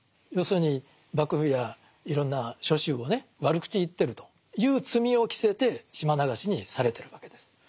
要するに幕府やいろんな諸宗をね悪口言ってるという罪を着せて島流しにされてるわけです。